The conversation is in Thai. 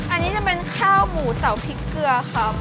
อันนี้จะเป็นข้าวหมูเต่าพริกเกลือครับ